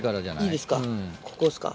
いいですかここですか。